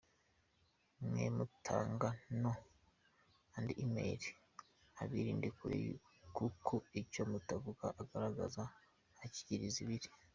mwemutanga No & email abirindire kure kuko icyo mutavugira ahagaragara yacyakiriza abiri 👐.